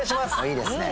いいですね。